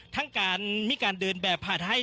ทั้งการมิการเดินแบบภาทไทย